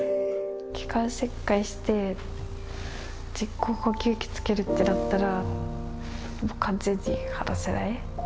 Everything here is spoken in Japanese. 気管切開して、人工呼吸器つけるってなったら、もう完全に話せない。